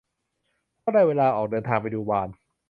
ก็ได้เวลาออกเดินทางไปดูวาฬ